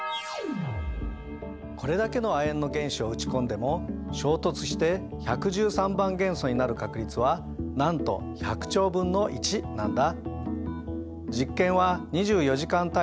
これだけの亜鉛の原子を打ち込んでも衝突して１１３番元素になる確率はなんと１００兆分の１なんだ。